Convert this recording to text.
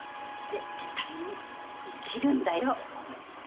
絶対に生きるんだよ！